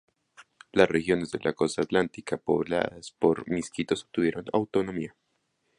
Las regiones de la Costa Atlántica pobladas por Miskitos obtuvieron autonomía.